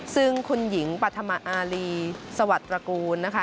ซึ่งคุณหญิงปฐมอารีสวัสดิ์ตระกูลนะคะ